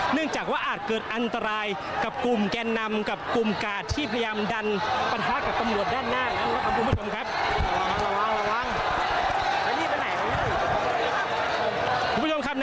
เนื่องจากว่าอาจเกิดอันตรายกับกลุ่มแกนนำกับกลุ่มกาดที่พยายามดันปะทะกับตำรวจด้านหน้าแล้วนะครับคุณผู้ชมครับ